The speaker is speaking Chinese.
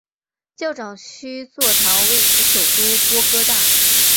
教长区座堂位于首都波哥大。